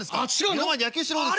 「目の前で野球してる方です」。